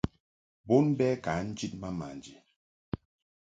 Bon bɛ ka njid ma manji.